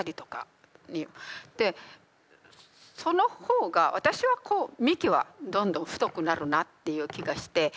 その方が私はこう幹はどんどん太くなるなっていう気がして。